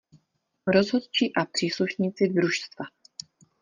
Rozhodčí a příslušníci družstva.